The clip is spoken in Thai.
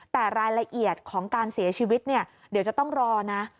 แต่รายละเอียดของการเสียชีวิตเนี่ยเดี๋ยวจะต้องรอนะ